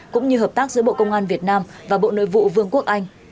cũng như hợp tác giữa bộ công an việt nam và bộ nội vụ vương quốc anh